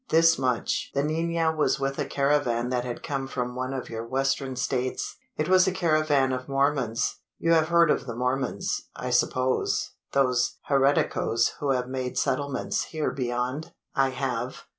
This much: the nina was with a caravan that had come from one of your western states. It was a caravan of Mormons. You have heard of the Mormons, I suppose those hereticos who have made settlements here beyond?" "I have."